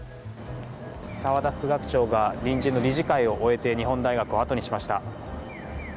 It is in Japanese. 澤田副学長が臨時の理事会を終えて日本大学をあとにしました。